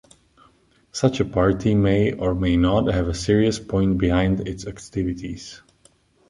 Such a party may or may not have a serious point behind its activities.